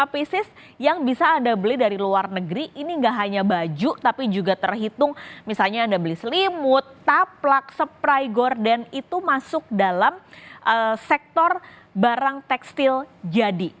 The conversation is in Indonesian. pisis yang bisa anda beli dari luar negeri ini nggak hanya baju tapi juga terhitung misalnya anda beli selimut taplak sepry gorden itu masuk dalam sektor barang tekstil jadi